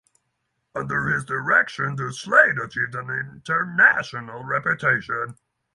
Under his direction the Slade achieved an international reputation.